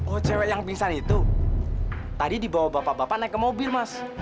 ocw yang pingsan itu tadi dibawa bapak bapak naik ke mobil mas